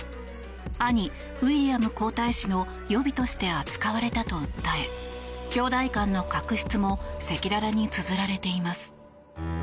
兄ウィリアム皇太子の予備として扱われたと訴え兄弟間の確執も赤裸々につづられています。